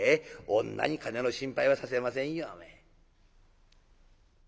女にカネの心配はさせませんよおめえ」。